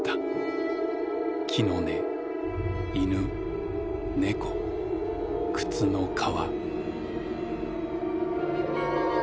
木の根犬猫靴の革。